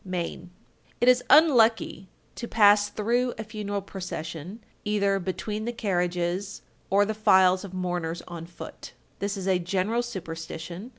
Maine. 1258. It is unlucky to pass through a funeral procession, either between the carriages or the files of mourners on foot. This is a general superstition.